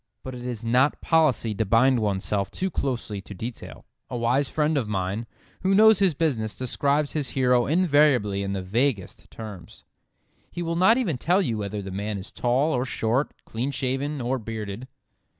But it is not policy to bind oneself too closely to detail. A wise friend of mine, who knows his business, describes his hero invariably in the vaguest terms. He will not even tell you whether the man is tall or short, clean shaven or bearded.